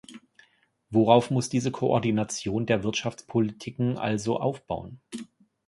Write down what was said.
Worauf muss diese Koordination der Wirtschaftspolitiken also aufbauen?